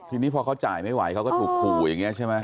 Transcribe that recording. ทีนี้พอเขาจ่ายไม่ไหวเขาก็ถูกขู่อย่างนี้ใช่ไหม